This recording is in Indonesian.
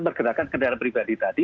pergerakan kendaraan pribadi tadi